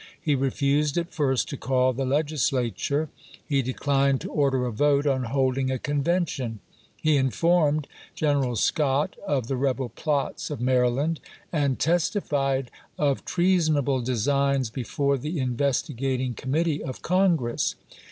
He refused at first to call the Legislature. He de clined to order a vote on holding a convention. He informed General Scott of the rebel plots of EEBELLIOUS MAEYLAND 163 Maryland, and testified of treasonable designs be chap. viii. fore the investigating committee of Congress.